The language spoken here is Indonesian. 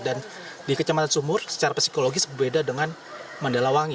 dan di kecamatan sumur secara psikologis berbeda dengan mandalawangi